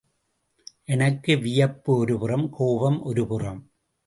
எனக்கு வியப்பு ஒருபுறம் கோபம் ஒருபுறம்.